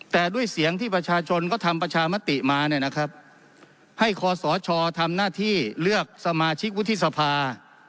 แต่ด้วยเสียงที่ประชาชนก็ทำประชามติมาเนี่ยนะครับให้คอสชทำหน้าที่เลือกสมาชิกวุฒิสภา